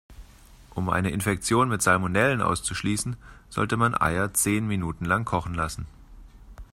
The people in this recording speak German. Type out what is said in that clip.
Um eine Infektion mit Salmonellen auszuschließen, sollte man Eier zehn Minuten lang kochen lassen.